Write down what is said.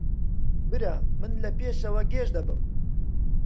برا من لە پێشەوە گێژ دەبم